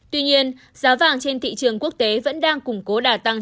tuy nhiên giá vàng trên thị trường quốc tế vẫn đang củng cố đà tăng